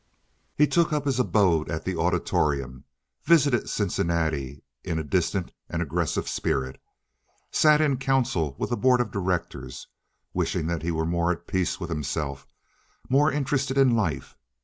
He took up his abode at the Auditorium, visited Cincinnati in a distant and aggressive spirit, sat in council with the board of directors, wishing that he was more at peace with himself, more interested in life.